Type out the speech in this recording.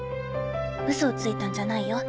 ウソをついたんじゃないよ